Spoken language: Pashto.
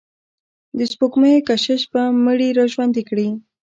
د سپوږمیو کشش به مړي را ژوندي کړي.